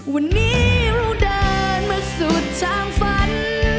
วันนี้เราเดินมาสุดทางฝัน